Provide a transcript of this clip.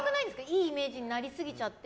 いいイメージになりすぎちゃって。